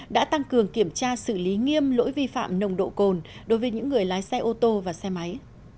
đã tăng cường kiểm tra xử lý nghiêm lỗi vi phạm nồng độ cồn đối với những người lái xe ô tô và xe máy